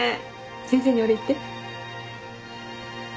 先生にお礼言って。